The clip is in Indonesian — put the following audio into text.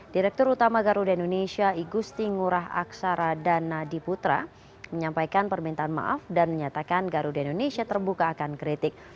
direktur utama garuda indonesia igusti ngurah aksara dan nadi putra menyampaikan permintaan maaf dan menyatakan garuda indonesia terbuka akan kritik